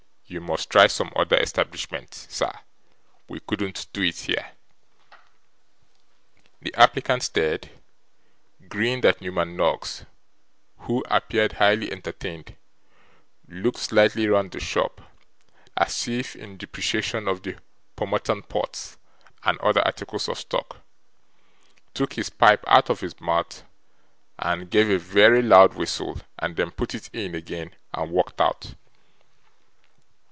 You must try some other establishment, sir. We couldn't do it here.' The applicant stared; grinned at Newman Noggs, who appeared highly entertained; looked slightly round the shop, as if in depreciation of the pomatum pots and other articles of stock; took his pipe out of his mouth and gave a very loud whistle; and then put it in again, and walked out.